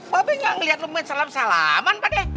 bapak nggak ngeliat lu main salam salaman pak deh